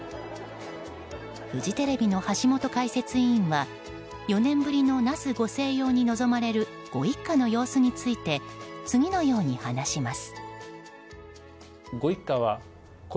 フジテレビの橋本解説委員は４年ぶりの那須ご静養に臨まれるご一家の様子について次のように話します。